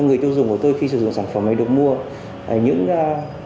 người tiêu dùng của tôi khi sử dụng sản phẩm này được mua những